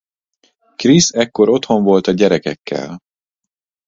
Chris ekkor otthon volt a gyerekekkel.